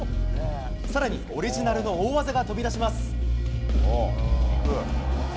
更にオリジナルの大技が飛び出します。